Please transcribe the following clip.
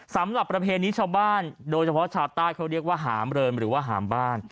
สำหรับประเภทนี้ชาวบ้านโดยเฉพาะชาติต้าเขาเรียกว่าหามเริมหรือว่าหามบ้าน